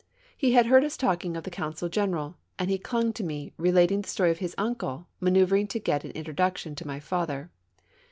He had heard us talking of the Council General, and he clung to me, relating the story of his uncle, manoeuvering to get an introduction to my father.